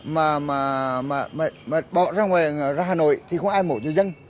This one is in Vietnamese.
mà bỏ ra ngoài ra hà nội thì không ai mổ cho dân